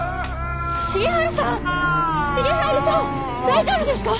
大丈夫ですか！？